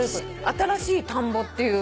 新しい田んぼっていう。